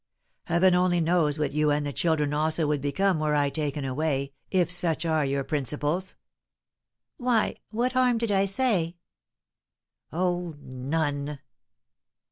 Heaven only knows what you and the children also would become were I taken away, if such are your principles." "Why, what harm did I say?" "Oh, none."